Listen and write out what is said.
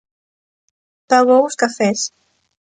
Pagou os cafés.